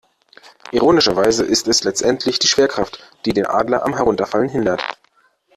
Ironischerweise ist es letztendlich die Schwerkraft, die den Adler am Herunterfallen hindert.